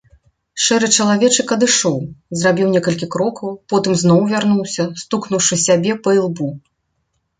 Шэры чалавечак адышоў, зрабіў некалькі крокаў, потым зноў вярнуўся, стукнуўшы сябе па ілбу.